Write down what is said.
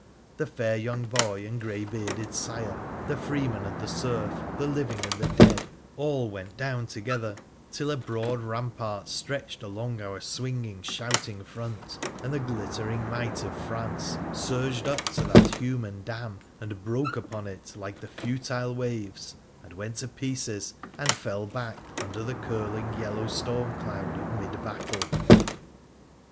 The fair young boy and grey bearded sire, the freeman and the serf, the living and the dead, all went down together, till a broad rampart stretched along our swinging shouting front, and the glittering might of France surged up to that human dam and broke upon it like the futile waves, and went to pieces, and fell back under the curling yellow stormcloud of mid battle.